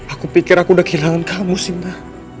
aku pikir aku sudah kehilangan kamu sinta